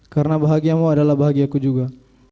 karena bahagiamu adalah bahagia ku juga